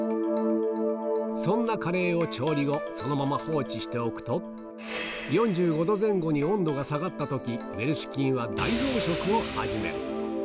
そんなカレーを調理後、そのまま放置しておくと、４５度前後に温度が下がったとき、ウェルシュ菌は大増殖を始める。